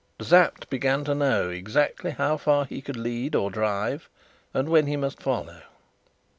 Sapt began to know exactly how far he could lead or drive, and when he must follow.